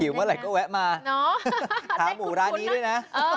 เมื่อไหร่ก็แวะมาหาหมูร้านนี้ด้วยนะ